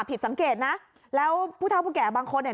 ผิดสังเกตนะแล้วผู้เท่าผู้แก่บางคนเนี่ย